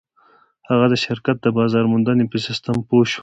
هغه د شرکت د بازار موندنې په سيسټم پوه شو.